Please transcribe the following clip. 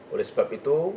oleh sebab itu